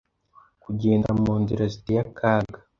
Kugenda munzira ziteye akaga